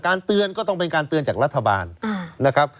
เตือนก็ต้องเป็นการเตือนจากรัฐบาลนะครับ